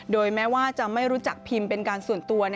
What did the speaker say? แม้ว่าจะไม่รู้จักพิมเป็นการส่วนตัว